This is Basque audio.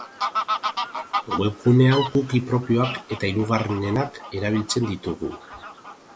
Webgunean cookie propioak eta hirugarrenenak erabiltzen ditugu.